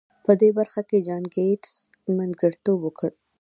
په دې برخه کې جان ګيټس منځګړيتوب وکړ.